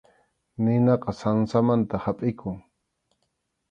Ninaqa sansamanta hapʼikun.